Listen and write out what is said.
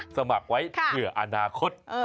สมัครไว้เผื่ออนาคต